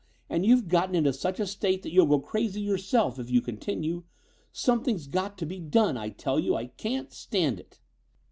And you've gotten into such a state that you'll go crazy yourself, if you continue. Something's got to be done, I tell you. I can't stand it!"